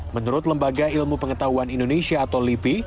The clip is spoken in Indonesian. menurut lembaga ilmu pengetahuan indonesia atau lipi